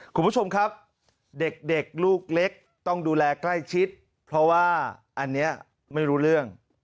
คุณผู้ชมครับเด็กลูกเล็กต้องดูแลใกล้ชิดเพราะว่าอันนี้ไม่รู้เรื่อง